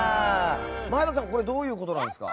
前田さんどういうことなんですか？